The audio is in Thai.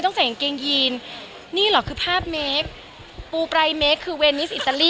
ถ้าจะเมคทั้งทีนะไม่เมคครึ่งทาง